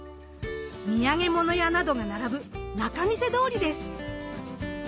土産物屋などが並ぶ仲見世通りです。